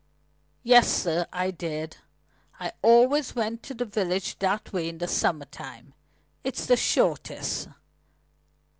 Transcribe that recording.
"Yes, sir, I did. I always went to the village that way in the summer time. It's the shortest.